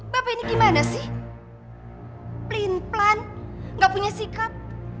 bapak ini gimana sih pelin pelan gak punya sikap